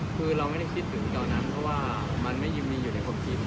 คือเราไม่ได้คิดถึงเหล่านั้นเพราะว่ามันไม่มีอยู่ในความคิด